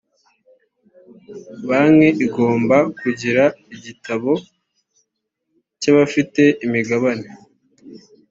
banki igomba kugira igitabo cy’ abafite imigabane.